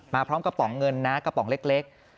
พร้อมกระป๋องเงินนะกระป๋องเล็ก